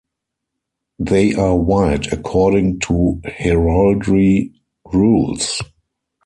They are white according to heraldry rules.